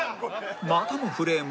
またもフレーム